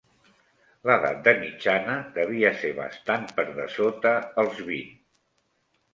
L'edat de mitjana devia ser bastant per dessota els vint.